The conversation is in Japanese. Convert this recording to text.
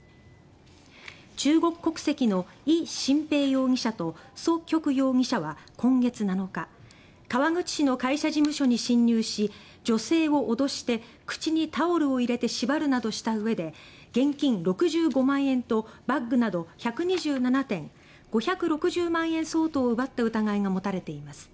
中国国籍のイ・シンペイ容疑者とソ・キョク容疑者は今月７日川口市の会社事務所に侵入し女性を脅して口にタオルを入れて縛るなどしたうえで現金６５万円とバッグなど１２７点５６０万円相当を奪った疑いが持たれています。